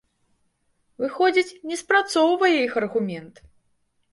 Выходзіць, не спрацоўвае іх аргумент!